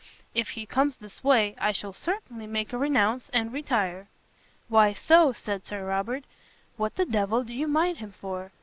if he comes this way, I shall certainly make a renounce, and retire." "Why so?" said Sir Robert, "what the d l do you mind him for?"